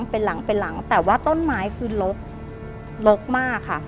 เป็นหลังเป็นหลังแต่ว่าต้นไม้คือลกลกมากค่ะ